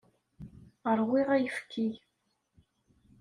Ṛwiɣ ayefki.